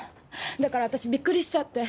だから私びっくりしちゃって。